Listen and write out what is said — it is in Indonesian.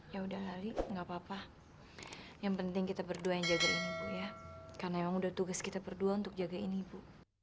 ya udah lali gak apa apa yang penting kita berduanya jaga ini ya karena yang udah tugas kita berdua untuk jagain ibu